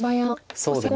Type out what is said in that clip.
そうですね